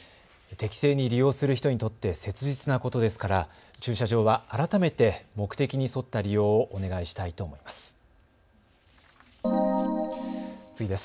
適正に利用する人にとって切実なことですから、駐車場は改めて目的に沿った利用をお願いしたいと思います。